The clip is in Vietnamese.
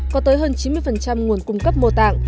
có tới hơn chín mươi nguồn cung cấp mô tạng